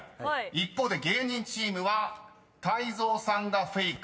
一方で芸人チームは泰造さんがフェイク。